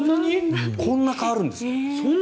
こんなに変わるんですか？